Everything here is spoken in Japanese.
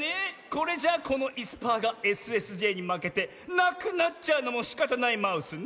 これじゃあこのいすパーがＳＳＪにまけてなくなっちゃうのもしかたないマウスね。